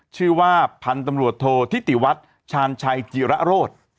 ชื่อว่าพันธุ์ตำรวจโทษธิติวัฒน์ชาญชัยจิระโรธ